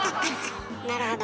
なるほど。